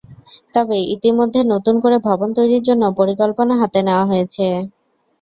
তবে ইতিমধ্যে নতুন করে ভবন তৈরির জন্য পরিকল্পনা হাতে নেওয়া হয়েছে।